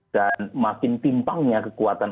dan makin timpangnya kekuatan